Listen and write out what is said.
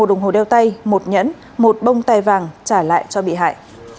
một đồng hồ đeo tay một nhẫn một bông tay vàng trả lại cho bị hại